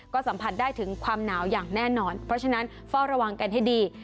ก็สัมผัสได้ถึงความหนาวอย่างแน่นอนเพราะฉะนั้นเฝ้าระวังกันให้ดี